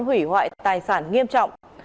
hủy hoại tài sản nghiêm trọng